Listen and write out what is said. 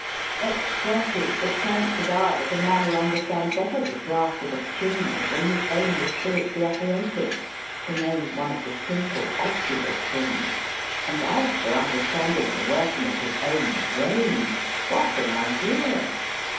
At thirty the chances are that a man will understand better the draught of a chimney than his own respiratory apparatus to name one of the simple, obvious things and as for understanding the working of his own brain what an idea!